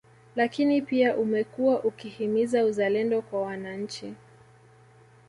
Lakini pia umekuwa ukihimiza uzalendo kwa wananchi